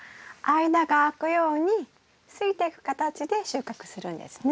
間が空くようにすいてく形で収穫するんですね。